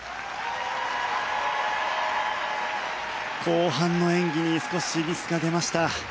後半の演技に少しミスが出ました。